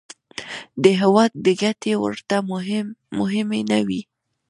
د هېواد ګټې ورته مهمې نه وې.